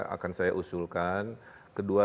akan saya usulkan kedua